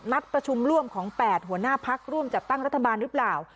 นัดประชุมร่วมของ๘หัวหน้าพักร่วมจัดตั้งรัฐบาลหรือเปล่า